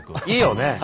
いいよね？